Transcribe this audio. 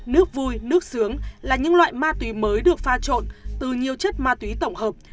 nước vui nước sướng là những loại ma túy mới được pha trộn từ nhiều chất ma túy tổng hợp